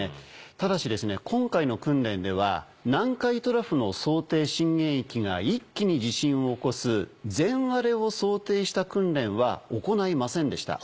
ただし今回の訓練では南海トラフの想定震源域が一気に地震を起こす全割れを想定した訓練は行いませんでした。